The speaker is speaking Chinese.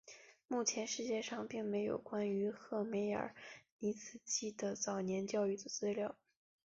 目前世界上并没有关于赫梅尔尼茨基的早年教育的资料。